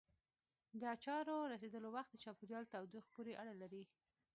د اچارو رسېدلو وخت د چاپېریال تودوخې پورې اړه لري.